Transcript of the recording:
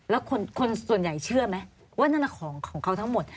แล้วคนส่วนใหญ่เชื่อไหมว่านั่นของเขาทั้งหมด